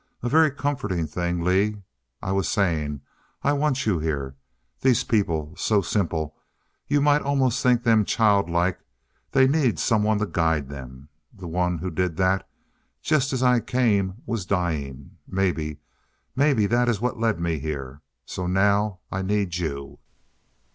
A very comforting thing, Lee. I was saying I want you here. These people, so simple you might almost think them childlike they need someone to guide them. The one who did that just as I came, was dying. Maybe maybe that is what led me here. So now I need you."